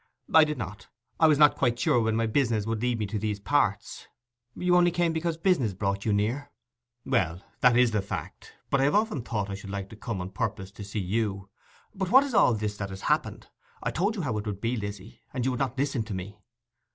'I did not. I was not quite sure when my business would lead me to these parts.' 'You only came because business brought you near?' 'Well, that is the fact; but I have often thought I should like to come on purpose to see you ... But what's all this that has happened? I told you how it would be, Lizzy, and you would not listen to me.